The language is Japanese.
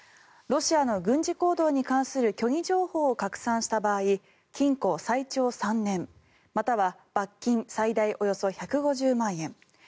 ロシアの軍事行動に関する虚偽情報を拡散した場合禁錮最長３年または罰金最大およそ１５０万円